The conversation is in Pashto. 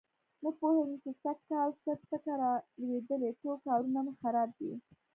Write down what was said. نه پوهېږم چې سږ کل څه ټکه را لوېدلې ټول کارونه مې خراب دي.